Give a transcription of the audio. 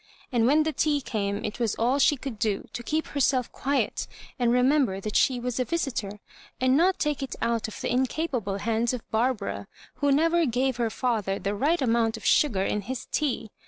And when the tea came it was all she could do to keep herself quiet, and remem ber that she was a visitor, and not take it out of the incapable hands of Barbara, who never gave her father the right amount of sugar in his tea.